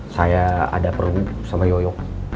saya ada peru sama yoyo